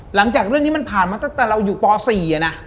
หลังจากเรื่องนี้มันผ่านมาตั้งแต่เราอยู่ป๔นะ